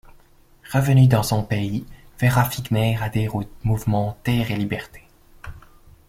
Revenue dans son pays, Vera Figner adhère au mouvement Terre et Liberté.